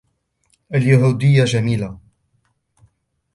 اليهودية جميلة.